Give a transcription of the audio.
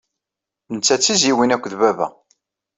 Netta d tizzyiwin akked baba.